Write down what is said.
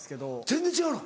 全然違うの？